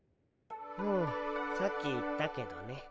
うんさっき言ったけどね。